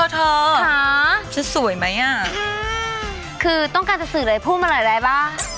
เธอค่ะชุดสวยไหมอ่ะคือต้องการจะสื่ออะไรพูดมาหลายป่ะ